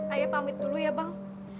ayah pamit dulu ya bang